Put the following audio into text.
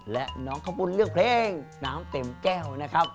และน้องข้าวบุญเลือกเพลงน้ำเต็มแก้วนะครับ